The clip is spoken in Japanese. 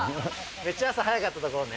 めっちゃ朝早かったところね。